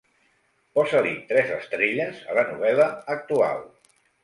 Posa-li tres estrelles a la novel·la actual